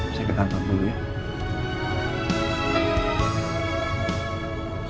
saya ketantong dulu ya